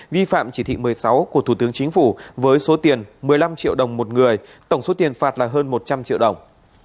vi phạm chỉ thị một mươi sáu của thủ tướng chính phủ với số tiền một mươi năm triệu đồng một người tổng số tiền phạt là hơn một trăm linh triệu đồng